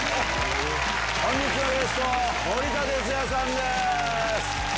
本日のゲスト森田哲矢さんです。